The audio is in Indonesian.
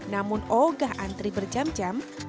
namun ogah antri berjam jam